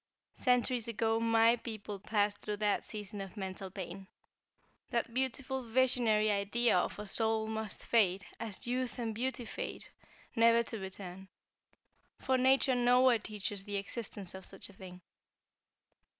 "Centuries ago my people passed through that season of mental pain. That beautiful visionary idea of a soul must fade, as youth and beauty fade, never to return; for Nature nowhere teaches the existence of such a thing.